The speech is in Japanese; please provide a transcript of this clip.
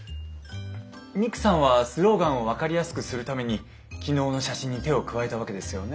ミクさんはスローガンを分かりやすくするために昨日の写真に手を加えたわけですよね？